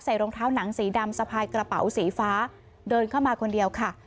รองเท้าหนังสีดำสะพายกระเป๋าสีฟ้าเดินเข้ามาคนเดียวค่ะ